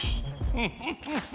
フフフフ！